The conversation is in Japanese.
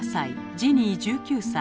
ジニー１９歳。